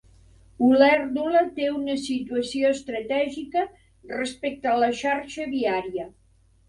Olèrdola té una situació estratègica respecte a la xarxa viària.